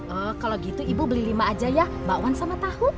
oh kalau gitu ibu beli lima aja ya bakwan sama tahu